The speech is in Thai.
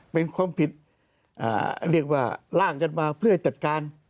เป็นความผิดเรียกว่าล่างกันมาเพื่อให้จัดการ